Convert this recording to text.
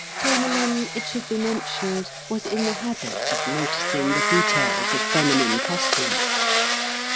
(Tourmalin, it should be mentioned, was in the habit of noticing the details of feminine costume.)